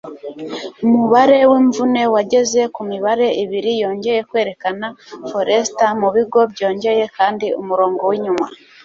umubare w'imvune wageze ku mibare ibiri yongeye kwerekana Forrester mu bigo byongeye kandi umurongo winyuma